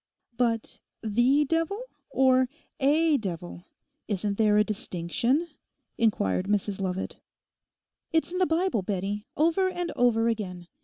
'But the devil, or a devil? Isn't there a distinction?' inquired Mrs Lovat. 'It's in the Bible, Bettie, over and over again.